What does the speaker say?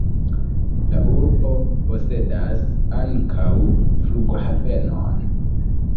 La urbo posedas ankaŭ flughavenon.